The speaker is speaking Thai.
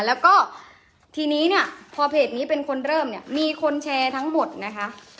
แล้วก็ทีนี้เนี่ยพอเพจนี้เป็นคนเริ่มเนี่ยมีคนแชร์ทั้งหมดนะคะ